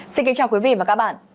xin kính chào quý vị và các bạn